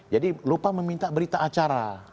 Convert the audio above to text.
jadi lupa meminta berita acara